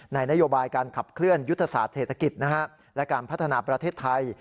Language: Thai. นโยบายการขับเคลื่อนยุทธศาสตร์เศรษฐกิจและการพัฒนาประเทศไทย